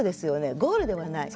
ゴールではない。